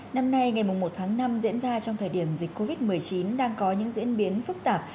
năm nay ngày một tháng năm diễn ra trong thời điểm dịch covid một mươi chín đang có những diễn biến phức tạp